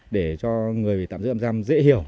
để cho người bị tạm giam dễ hiểu